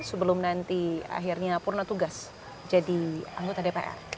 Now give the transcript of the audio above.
sebelum nanti akhirnya purna tugas jadi anggota dpr